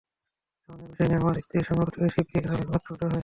সামান্য বিষয় নিয়ে আমার স্ত্রীর সঙ্গে প্রতিবেশী পিয়ারা বেগমের ঝগড়া হয়।